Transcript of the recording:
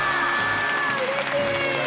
うれしい！